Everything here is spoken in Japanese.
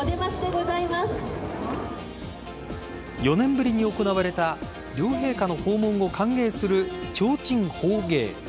４年ぶりに行われた両陛下の訪問を歓迎する提灯奉迎。